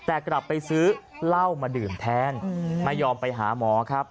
แต่กลับไปซื้อเหล้ามาดื่มแทนไม่ยอมไปหาหมอครับ